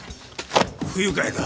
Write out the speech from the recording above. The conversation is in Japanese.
不愉快だ。